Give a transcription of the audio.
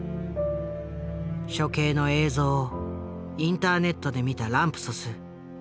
処刑の映像をインターネットで見たランプソス。